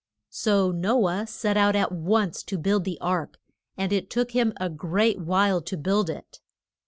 So No ah set out at once to build the ark; and it took him a great while to build it.